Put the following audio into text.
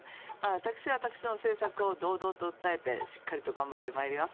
私は私の政策を堂々と訴えてしっかりと頑張ってまいります。